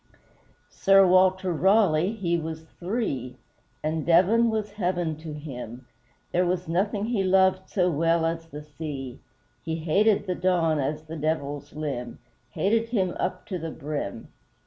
Sir WALTER RALEIGH, he was THREE And Devon was heaven to him, There was nothing he loved so well as the sea He hated the Don as the Devil's limb Hated him up to the brim!